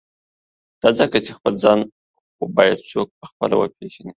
او دا ځکه چی » خپل ځان « خو باید څوک په خپله وپیژني.